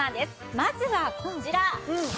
まずはこちら。